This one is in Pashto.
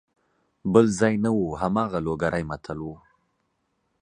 بل ځای نه وو هماغه لوګری متل وو.